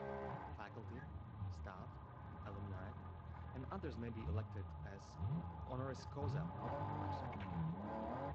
Faculty, staff, alumni, and others may be elected as "honoris causa" members.